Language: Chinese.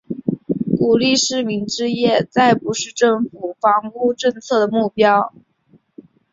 鼓励市民置业再不是政府房屋政策的目标。